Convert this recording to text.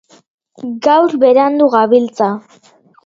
Gaur berandu gabiltza.